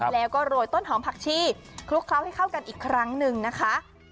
แล้วก็โรยต้นหอมผักชีคลุกเคล้าให้เข้ากันอีกครั้งหนึ่งนะคะ